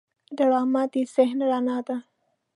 ډرامه د ذهن رڼا ده